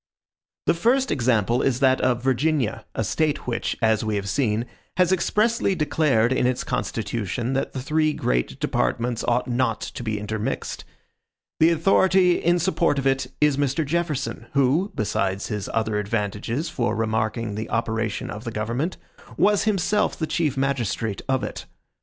The first example is that of Virginia, a State which, as we have seen, has expressly declared in its constitution, that the three great departments ought not to be intermixed. The authority in support of it is Mr. Jefferson, who, besides his other advantages for remarking the operation of the government, was himself the chief magistrate of it.